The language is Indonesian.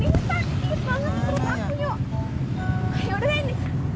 ini sakit banget seru aku yuk